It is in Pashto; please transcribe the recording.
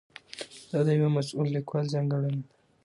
دا د یوه مسؤل لیکوال ځانګړنه ده.